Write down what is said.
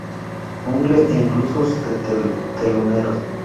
Bungle e Incubus de teloneros.